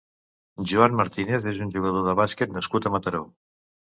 Joan Martínez és un jugador de bàsquet nascut a Mataró.